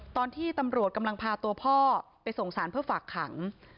ตอนที่ตำรวจกำลังพาตัวพ่อไปส่งสารเพื่อฝากขัง